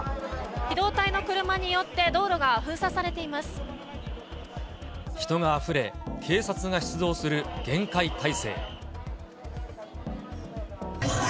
機動隊の車によって道路が封人があふれ、警察が出動する厳戒態勢。